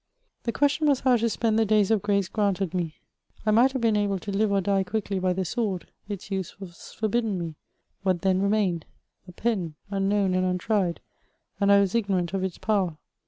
The question was how to spend the days of grace gp anted me. I might have been able to live or die qiuckly by the sword ; its use was forbidden me : what then remained ? A pen, unknown and untried, and I was ignorant of its power.